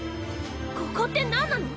ここって何なの？